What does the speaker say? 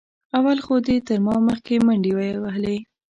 اول خو دې تر ما مخکې منډې وهلې.